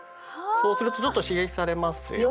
そうするとちょっと刺激されますよね。